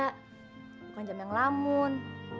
bukan jam yang ngelamun